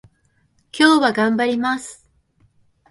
今日は頑張ります